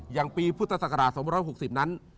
อย่างปีพุทธศักราช๒๖๐นั้น